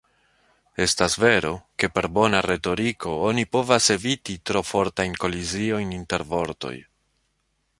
Estas vero, ke per bona retoriko oni povas eviti tro fortajn koliziojn inter vortoj.